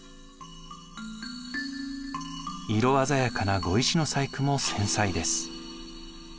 色鮮やかな碁石の細工も繊細です。